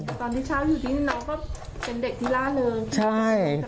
ตอนที่เช้าอยู่ที่นี่น้องก็เป็นเด็กธีร่านเลย